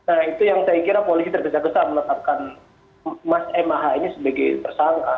nah itu yang saya kira polisi tergesa gesa menetapkan mas mah ini sebagai tersangka